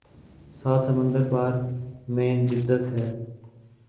سات سمندر پار میں جدت ہے